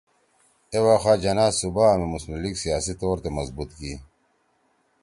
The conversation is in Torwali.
اے وخا جناح صوبا می مسلم لیگ سیاسی طور تے مضبوط کی